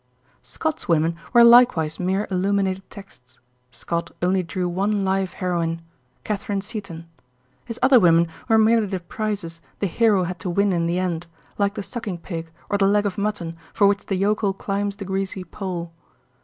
Scott's women were likewise mere illuminated texts. Scott only drew one live heroine—Catherine Seton. His other women were merely the prizes the hero had to win in the end, like the sucking pig or the leg of mutton for which the yokel climbs the greasy pole.